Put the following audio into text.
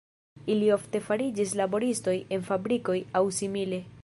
Ili ofte fariĝis laboristoj en fabrikoj aŭ simile.